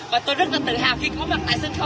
và tôi rất là thích